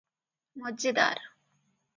ମଜେଦାର!